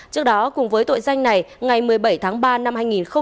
trước đó cùng với tội danh này ngày một mươi bảy tháng ba năm hai nghìn một mươi bảy